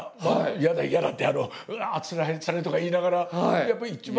「嫌だ嫌だ」って「つらいつらい」とか言いながらやっぱり一番。